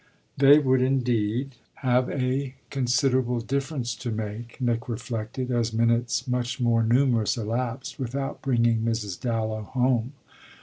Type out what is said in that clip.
They would indeed have a considerable difference to make, Nick reflected, as minutes much more numerous elapsed without bringing Mrs. Dallow home.